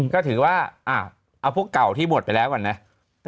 ก็ถือว่าเอาพวกเก่าที่หมดไปแล้วก่อนนะ